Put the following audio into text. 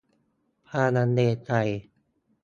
ความลังเลใจ